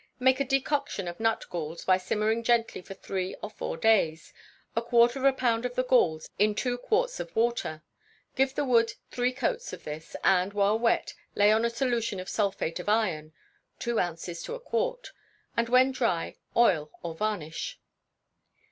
Make a decoction of nut galls by simmering gently, for three or four days, a quarter of a pound of the galls in two quarts of water; give the wood three coats of this, and, while wet, lay on a solution of sulphate of iron (two ounces to a quart), and when dry, oil or varnish.